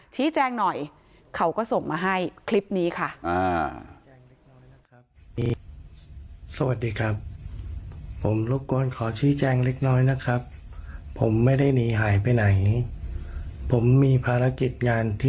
ชี้แจงหน่อยเขาก็ส่งมาให้คลิปนี้ค่ะ